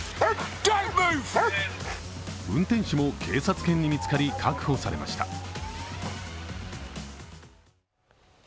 運転手も警察犬に見つかり確保されました。